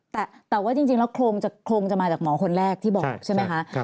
แต่ว่าจริงแล้วโครงจะมาจากหมอคนแรกที่บอกใช่ไหมคะ